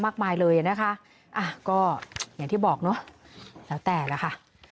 มากมายเลยอ่ะนะคะอ่ะก็อย่างที่บอกเนอะแล้วแต่ละค่ะ